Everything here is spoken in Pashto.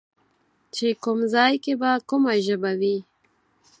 چې کوم ځای کې به کومه ژبه وي